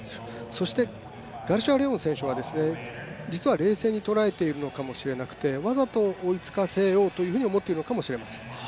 そしてガルシア・レオン選手は実は冷静に捉えているのかもしれなくてわざと追いつかせようと思っているのかもしれません。